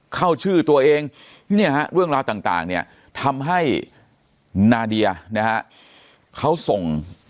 เข้าชื่อตัวเองเนี่ยฮะเรื่องราวต่างเนี่ยทำให้นาเดียนะฮะเขาส่ง